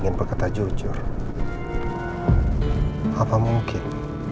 soal permintaan aku biar dia bisa jujur